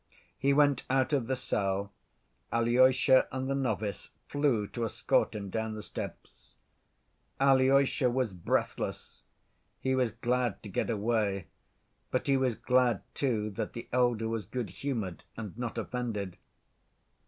He went out of the cell. Alyosha and the novice flew to escort him down the steps. Alyosha was breathless: he was glad to get away, but he was glad, too, that the elder was good‐humored and not offended.